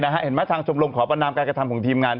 เห็นไหมทางชมรมขอประนามการกระทำของทีมงาน